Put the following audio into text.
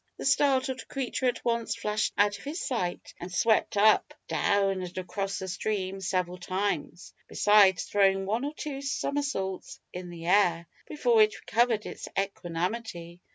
The startled creature at once flashed out of his sight, and swept up, down, and across the stream several times, besides throwing one or two somersaults in the air, before it recovered its equanimity.